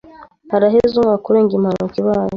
Haraheze umwaka urenga impanuka ibaye.